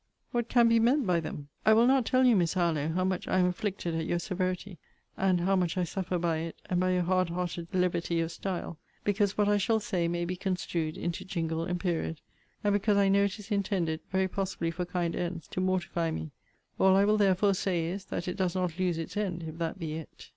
What can be meant by them? I will not tell you, Miss Harlowe, how much I am afflicted at your severity, and how much I suffer by it, and by your hard hearted levity of style, because what I shall say may be construed into jingle and period, and because I know it is intended, very possibly for kind ends, to mortify me. All I will therefore say is, that it does not lose its end, if that be it.